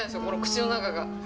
この口の中が。